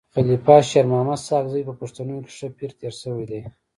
خلیفه شیرمحمد ساکزی په پښتنو کي ښه پير تير سوی دی.